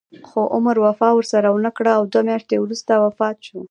خو عمر وفا ورسره ونه کړه او دوه میاشتې وروسته وفات شو.